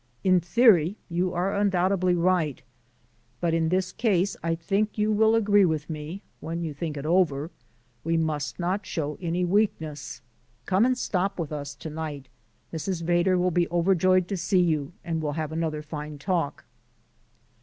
In theory you are undoubtedly right, but in this case I think you will agree with me (when you think it over), we must not show any weakness. Come and stop with us to night: Mrs. Vedder will be overjoyed to see you and we'll have another fine talk.